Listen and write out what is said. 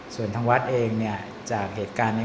ส่วนทางวัดเองเนี่ยจากเหตุการณ์นี้